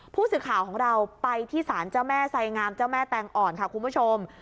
ผู้สื่อข่าวของเราไปที่ศาลเจ้าแม่ไสงามเจ้าแม่แตงอ่อนค่ะคุณผู้ชม